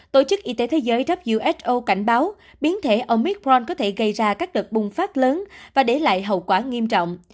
tổ chức y tế thế giới cảnh báo biến thể omicron có thể gây ra các đợt bùng phát lớn và để lại hậu quả nghiêm trọng